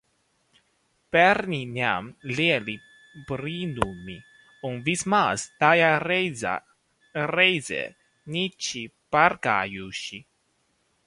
Bērniņam lieli brīnumi, un vismaz tajā reizē niķi pārgājuši.